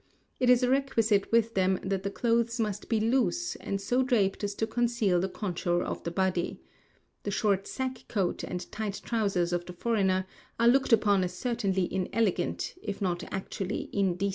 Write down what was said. It is a requisite with them that the clothes must be loose, and so draped as to conceal the contour of the body. The short sack coat and tight trousers of the foreigner are looked upon as certainly inelegant, if not actually indecent.